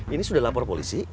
ini sudah lapor polisi